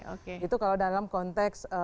oke itu kalau dalam konteks